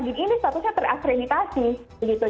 jadi ini sepatutnya terakreditasi gitu